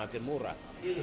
dan makin murah